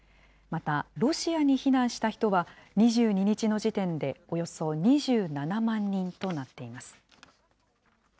またロシアに避難した人は２２日の時点でおよそ２７万人となっています。